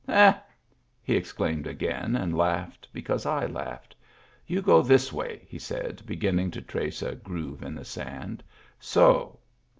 " He !" he exclaimed again, and laughed because I laughed. " You go this way," he said, beginning to trace a groove in the sand. So."